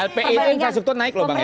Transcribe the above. lpi itu infrastruktur naik loh bang ya